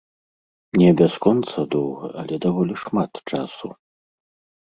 Не бясконца доўга, але даволі шмат часу.